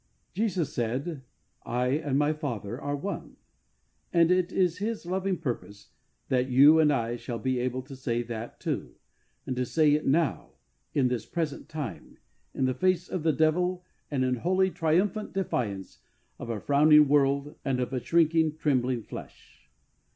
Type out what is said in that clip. J ESUS said, I and My Father are one,'^ and it is His loving purpose that you and I shall be able to say that too, and say it now in this present time, in the face of the devil and in holy, triumphant defiance of a frowning world and of shrinking, trembling flesh.